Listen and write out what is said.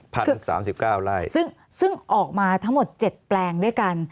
สามสิบเก้าไร่ซึ่งซึ่งออกมาทั้งหมดเจ็ดแปลงด้วยกัน